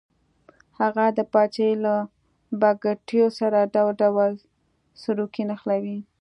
هغه د پاچاهۍ له بګتیو سره ډول ډول سروکي نښلوي.